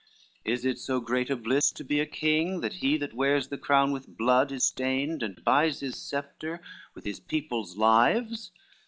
Is it so great a bliss to be a king, When he that wears the crown with blood is stained And buys his sceptre with his people's lives?